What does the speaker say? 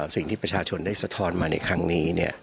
สิ่งที่ประชาชนได้สะท้อนมาในครั้งนี้